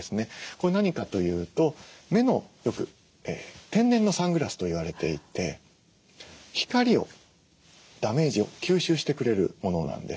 これ何かというと目のよく天然のサングラスといわれていて光をダメージを吸収してくれるものなんです。